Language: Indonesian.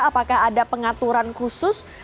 apakah ada pengaturan khusus